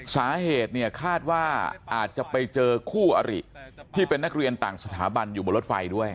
สาเหตุเนี่ยคาดว่าอาจจะไปเจอคู่อริที่เป็นนักเรียนต่างสถาบันอยู่บนรถไฟด้วย